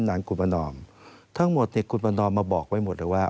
นางกุประนอมทั้งหมดเนี่ยคุณประนอมมาบอกไว้หมดเลยว่า